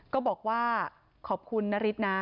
ก็บอกว่าขอบคุณนาริสนะ